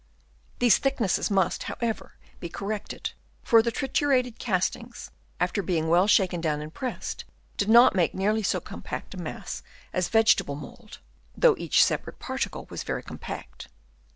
These thicknesses must, however, be cor rected, for the triturated castings, after being well shaken down and pressed, did not make nearly so compact a mass as vegetable mould, though each separate particle was very compact.